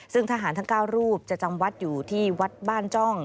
ซึ่งทหารทั้ง๙รูปจะจำวัดอยู่ที่วัดบ้านจ้อง